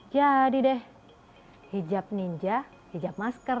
jadi deh hijab ninja hijab masker